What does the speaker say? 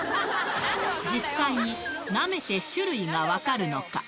実際になめて種類が分かるのか？